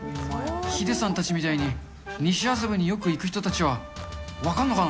ヒデさんたちみたいに西麻布によく行く人たちは分かるのかな？